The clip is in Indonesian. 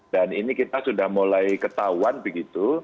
dan ini kita sudah mulai ketahuan begitu